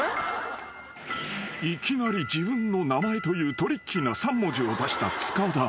［いきなり自分の名前というトリッキーな３文字を出した塚田］